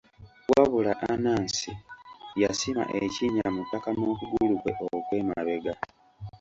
Wabula Anansi, yasima ekinnya mu ttaka n'okugulu kwe okw'emabega.